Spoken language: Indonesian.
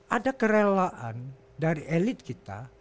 ada kerelaan dari elit kita